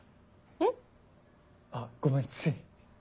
あっごめんつい。